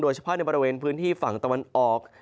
เฉพาะในบริเวณพื้นที่ฝั่งตะวันออก